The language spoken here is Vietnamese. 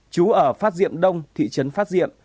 chú ở phát diệm đông thị trấn phát diệm